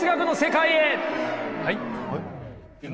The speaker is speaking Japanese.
はい？